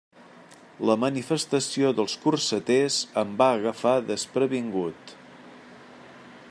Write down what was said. La manifestació dels corseters em va agafar desprevingut.